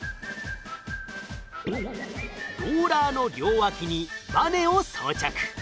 ローラーの両脇にバネを装着。